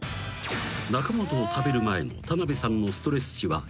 ［中本を食べる前の田辺さんのストレス値は４６］